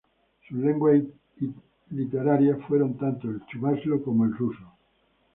Sus lenguas literarias fueron tanto el chuvasio como el ruso.